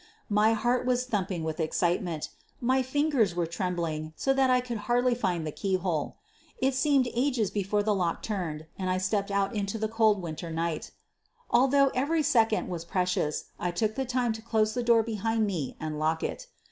My heart was thumping with excitement — my 74 SOPHIE LYONS fingers were trembling so that I could hardly find the keyhole. It seemed ages before the lock turned and I stepped out into the cold winter night. Although every second was precious, I took the time to close the door behind me and lock it.